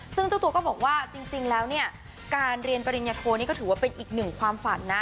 ซึ่งเจ้าตัวก็บอกว่าจริงแล้วเนี่ยการเรียนปริญญโทนี่ก็ถือว่าเป็นอีกหนึ่งความฝันนะ